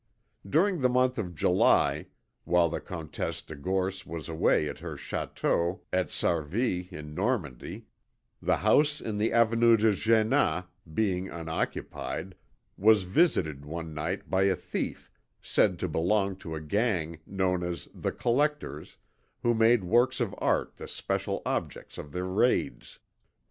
During the month of July, while the Comtesse de Gorce was away at her château at Sarville in Normandy, the house in the Avenue d'Jéna, being unoccupied, was visited one night by a thief said to belong to a gang known as "The Collectors," who made works of art the special objects of their raids.